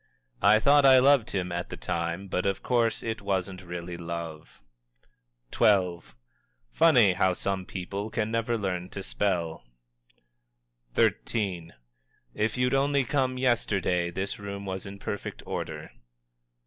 "I thought I loved him at the time, but of course it wasn't really love." XII. "Funny how some people can never learn to spell!" XIII. "If you'd only come yesterday, this room was in perfect order."